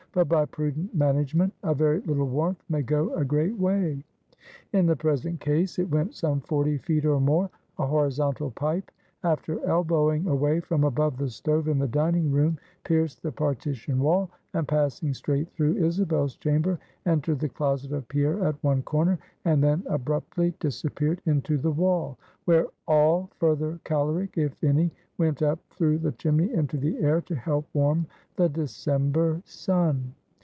But by prudent management, a very little warmth may go a great way. In the present case, it went some forty feet or more. A horizontal pipe, after elbowing away from above the stove in the dining room, pierced the partition wall, and passing straight through Isabel's chamber, entered the closet of Pierre at one corner, and then abruptly disappeared into the wall, where all further caloric if any went up through the chimney into the air, to help warm the December sun.